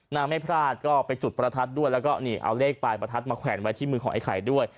ไม่พลาดก็ไปจุดประทัดด้วยแล้วก็นี่เอาเลขปลายประทัดมาแขวนไว้ที่มือของไอ้ไข่ด้วย